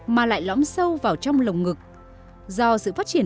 mà lại lõm sâu vào trẻ